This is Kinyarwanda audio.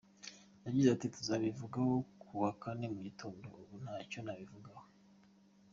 Yagize ati “Tuzabivugaho ku wa Kane mu Gitondo, ubu ntacyo nabivugaho.